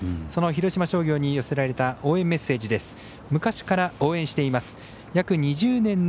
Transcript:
その広島商業に寄せられた応援メッセージです。